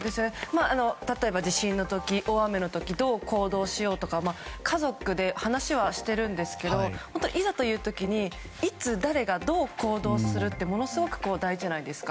例えば、地震の時大雨の時、どう行動しようとか家族で話はしているんですけどいざという時にいつ誰がどう行動するってものすごく大事じゃないですか。